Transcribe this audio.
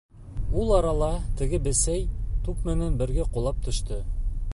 Ул арала теге бесәй туп менән бергә ҡолап төштө.